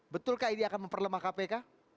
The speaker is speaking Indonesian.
betulkah ini akan memperlemah kpk